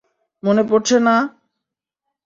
মনে পড়ছে না?